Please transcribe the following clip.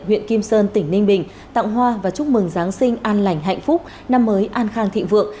huyện kim sơn tỉnh ninh bình tặng hoa và chúc mừng giáng sinh an lành hạnh phúc năm mới an khang thịnh vượng